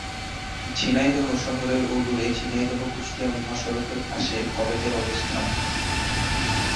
ঝিনাইদহ শহরের অদূরে ঝিনাইদহ-কুষ্টিয়া মহাসড়কের পাশে কলেজের অবস্থান।